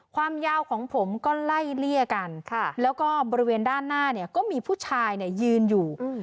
ความยาวของผมก็ไล่เลี่ยกันแล้วก็บริเวณด้านหน้าเนี่ยก็มีผู้ชายเนี่ยยืนอยู่